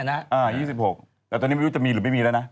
อ่ายี่สิบหกแต่ตอนนี้ไม่รู้จะมีหรือไม่มีแล้วนะ